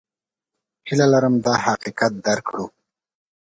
هیله لرم دا حقیقت درک کړو.